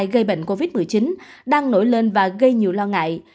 gây bệnh covid một mươi chín đang nổi lên và gây nhiều lo ngại